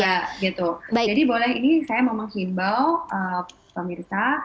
ya mbak jadi boleh saya menghimbau pemirsa